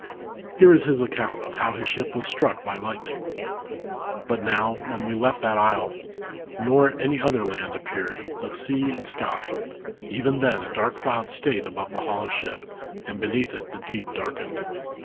Here is his account of how his ship was struck by lightning :" But n^>w, when we left that isle, nor any ether land appeared but sea and sky, even +hen a dark cloud stayed above the hollow ship, and beneath it, the deep darkened.